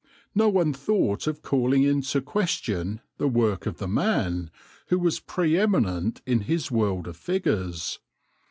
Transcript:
No one thought of calling into question the work of the man, who was pre eminent in his world of figures.